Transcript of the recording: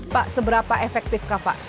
pak seberapa efektif kah pak